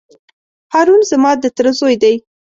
هارون زما د تره زوی دی.